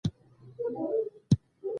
د خوراکي حساسیت په اړه هوټل ته خبر ورکړه.